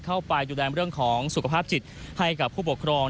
เข้าไปดูแลเรื่องของสุขภาพจิตให้กับผู้ปกครอง